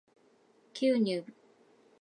きう ｎｙｈｂ